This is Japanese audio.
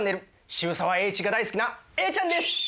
渋沢栄一が大好きなＡちゃんです！